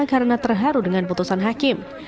karena terharu dengan putusan hakim